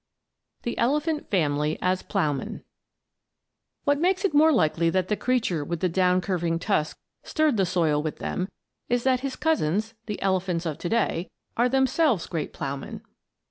THE ELEPHANT FAMILY AS PLOUGHMEN What makes it more likely that the creature with the down curving tusks stirred the soil with them is that his cousins, the elephants of to day, are themselves great ploughmen.